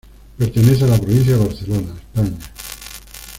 Pertenece a la provincia de Barcelona, España.